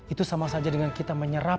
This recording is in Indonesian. itu sama saja dengan kita menyerap